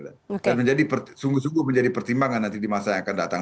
dan sungguh sungguh menjadi pertimbangan nanti di masa yang akan datang